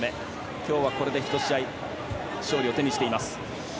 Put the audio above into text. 今日はこれで１試合勝利を手にしています。